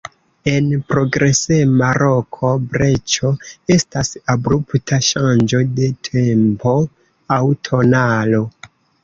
En progresema roko breĉo estas abrupta ŝanĝo de tempo aŭ tonalo.